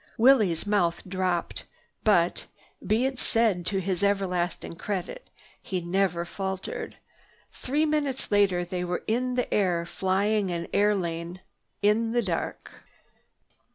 Willie's mouth dropped, but, be it said to his everlasting credit, he never faltered. Three minutes later they were in the air flying an air lane in the dark.